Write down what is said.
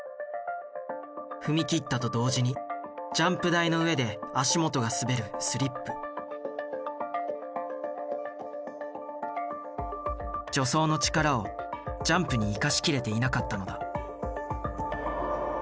踏み切ったと同時にジャンプ台の上で足元が滑る助走の力をジャンプに生かしきれていなかったのだ。